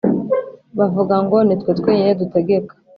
bavuga ngo «Ni twe twenyine dutegeka!»